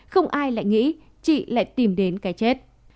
không ai lại nghĩ chị lại tìm đến cái chết